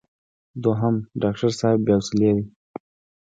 دوهم: ډاکټر صاحب بې حوصلې دی.